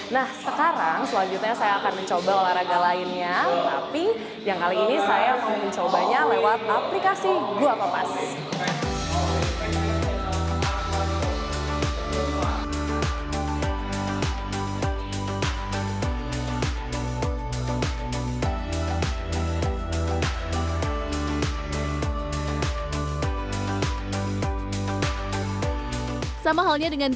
nah sekarang selanjutnya saya akan mencoba olahraga lainnya